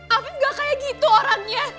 tapi gak kayak gitu orangnya